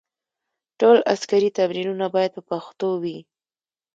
ټول عسکري تمرینونه باید په پښتو وي.